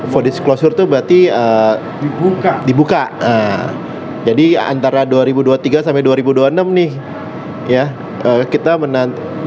foodies closure itu berarti dibuka jadi antara dua ribu dua puluh tiga sampai dua ribu dua puluh enam nih ya kita menanti